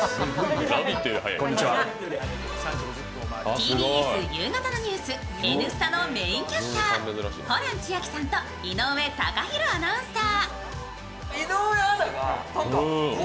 ＴＢＳ夕方のニュース「Ｎスタ」のメインキャスターホラン千秋さんと井上貴博アナウンサー。